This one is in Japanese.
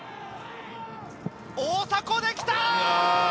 大迫できた！